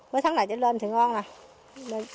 mới tháng này chứ lên thì ngon rồi